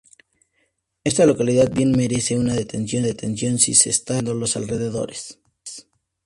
Esta localidad bien merece una detención si se está recorriendo los alrededores.